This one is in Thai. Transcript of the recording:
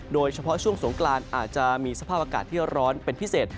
โดยเฉพาะช่วงสงกรานอาจจะมีสภาพอากาศที่ร้อนเป็นพิเศษ